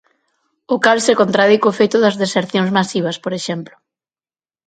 O cal se contradí co feito das desercións masivas, por exemplo.